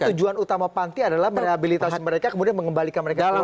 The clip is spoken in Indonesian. justru tujuan utama panti adalah merehabilitasi mereka kemudian mengembalikan mereka ke keluarga